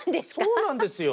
そうなんですよ。